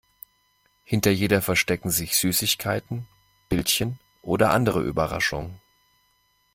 Hinter jeder verstecken sich Süßigkeiten, Bildchen oder andere Überraschungen.